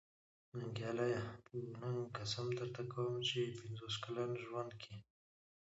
ننګياله! په ننګ قسم درته کوم چې په پنځوس کلن ژوند کې.